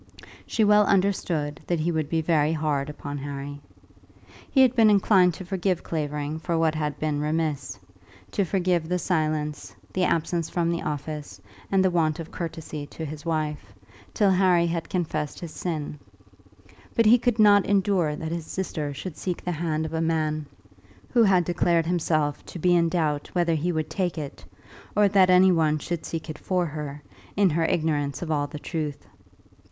She well understood that he would be very hard upon Harry. He had been inclined to forgive Clavering for what had been remiss, to forgive the silence, the absence from the office, and the want of courtesy to his wife, till Harry had confessed his sin; but he could not endure that his sister should seek the hand of a man who had declared himself to be in doubt whether he would take it, or that any one should seek it for her, in her ignorance of all the truth.